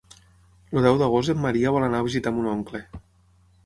El deu d'agost en Maria vol anar a visitar mon oncle.